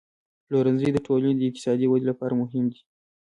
پلورنځی د ټولنې د اقتصادي ودې لپاره مهم دی.